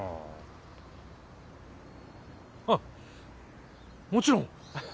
あっもちろん。